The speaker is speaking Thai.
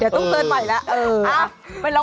เดี๋ยวต้องเตือนใหม่แล้ว